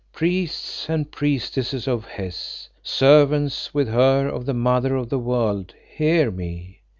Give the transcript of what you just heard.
"Priests and priestesses of Hes, servants with her of the Mother of the world, hear me.